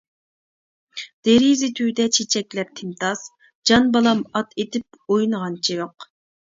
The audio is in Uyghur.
دېرىزە تۈۋىدە چېچەكلەر تىمتاس، جان بالام ئات ئېتىپ ئوينىغان چىۋىق.